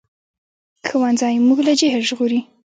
ښوونځی موږ له جهل ژغوري